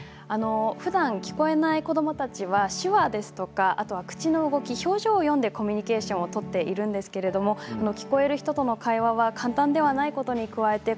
ふだん聞こえない子どもたちは手話や口の動き、表情を読んでコミュニケーションを取っているんですけれど聞こえる人との会話は簡単ではないことに加えて